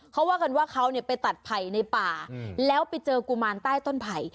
เขาว่ากันว่าเขาไปตัดไผ่ในป่าแล้วไปเจอกุมารใต้ต้นไผ่